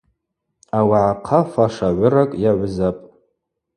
Ауагӏахъа фаша гӏвыракӏ йагӏвызапӏ.